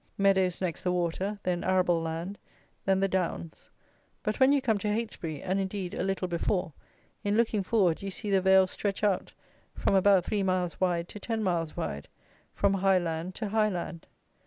Meadows next the water; then arable land; then the downs; but when you come to Heytesbury, and indeed a little before, in looking forward you see the vale stretch out, from about three miles wide to ten miles wide, from high land to high land.